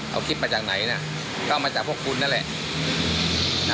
เอาคลิปมาจากไหนนะก็เอามาจากพวกคุณนั่นแหละ